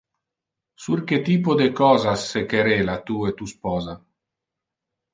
Sur que typo de cosas se querela tu e tu sposa?